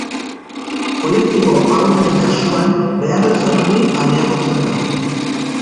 Kolektibo ahulenen kasuan beharrizan hori areagotzen da.